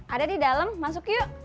ada di dalam masuk yuk